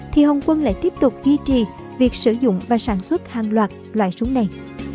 thì hồng quân lại tiếp tục duy trì việc sử dụng và sản xuất hàng loạt loại súng này